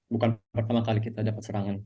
bukan pertama kali kita dapat serangan